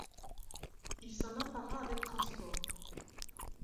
Il s'en empara avec transport.